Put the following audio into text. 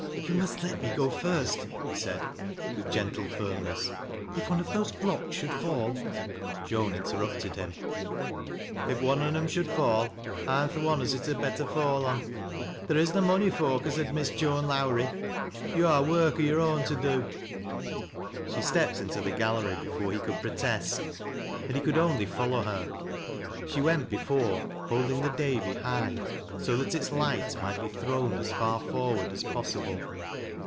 " You must let me go first," he said, with gertle firmness. •' If one of these blocks shoxild fall " Joan interrupted him, —" If one on 'era should fall I'm th' one as it had better fall on. There is na mony foak as ud miss Joan Lowrie. Yo' ha' work o' yore own to do." She stepped into the gallery before he could protest, and he could only follow her. She went before, holding the Davy high, so that its light might be thrown as far forward as possible.